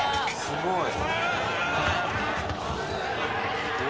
すごい！